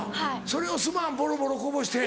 それをすまんボロボロこぼして。